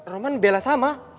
roman bela sama